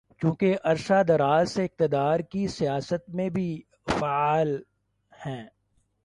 چونکہ عرصۂ دراز سے اقتدار کی سیاست میں بھی فعال ہیں۔